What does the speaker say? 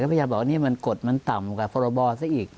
ก็พระเจ้าบอกว่านี่มันกฎมันต่ำกว่าฟรบซะอีก